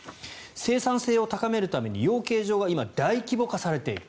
生産性を高めるために養鶏場は今、大規模化されている。